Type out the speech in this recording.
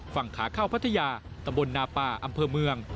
ฝั่งขาเข้าพัทยาตำบลนาป่าอำเภอเมือง